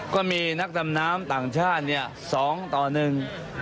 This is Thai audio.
ก็มีนักดำน้ำต่างชาติสองตอนหนึ่ง